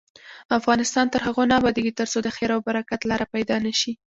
افغانستان تر هغو نه ابادیږي، ترڅو د خیر او برکت لاره پیدا نشي.